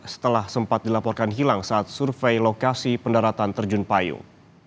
setelah sempat dilaporkan hilang saat survei lokasi pendaratan terjun payung